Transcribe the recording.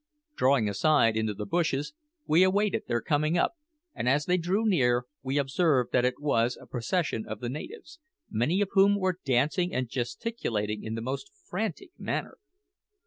Drawing aside into the bushes, we awaited their coming up; and as they drew near, we observed that it was a procession of the natives, many of whom were dancing and gesticulating in the most frantic manner.